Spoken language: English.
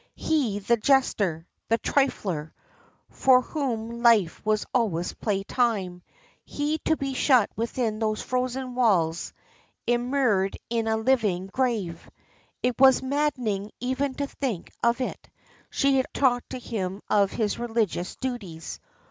He the jester, the trifler, for whom life was always play time, he to be shut within those frozen walls, immured in a living grave! It was maddening even to think of it. She had talked to him of his religious duties.